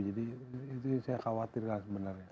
jadi itu saya khawatirkan sebenarnya